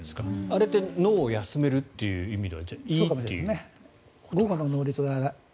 あれって脳を休めるという意味ではいいという。